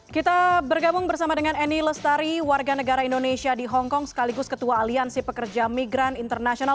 kita bergabung bersama dengan eni lestari warga negara indonesia di hongkong sekaligus ketua aliansi pekerja migran internasional